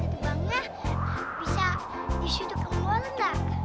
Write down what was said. ketumbangnya bisa disuruh kemurna